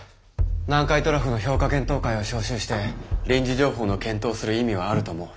南海トラフの評価検討会を招集して臨時情報の検討をする意味はあると思う。